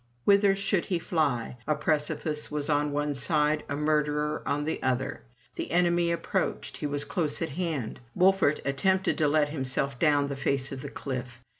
Whither should he fly! — a precipice was on one side — a murderer on the other. The enemy approached — he was close at hand. Wolfert at tempted to let himself down the face of the cliff.